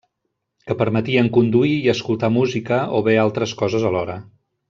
Que permetien conduir i escoltar música o bé altres coses alhora.